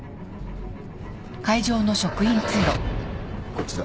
こっちだ。